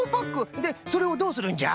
でそれをどうするんじゃ？